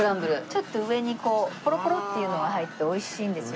ちょっと上にコロコロっていうのが入って美味しいんですよ。